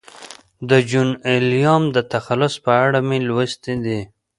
د جون ایلیا د تخلص په اړه مې لوستي دي.